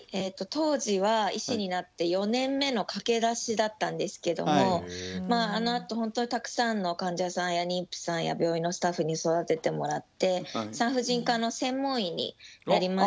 当時は医師になって４年目の駆け出しだったんですけどもまああのあとほんとにたくさんの患者さんや妊婦さんや病院のスタッフに育ててもらって産婦人科の専門医になりました。